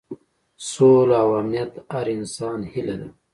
سوله او امنیت د هر انسان هیله ده.